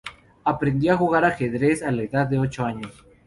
Aprendió a jugar al Ajedrez a la edad de ocho años.